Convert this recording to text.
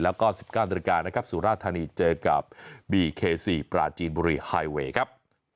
แล้วก็๑๙ตรสุราธานีเจอกับบีเคซีปราชจีนบุรีไฮเวย์ครับ